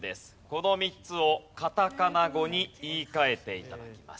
この３つをカタカナ語に言い換えて頂きます。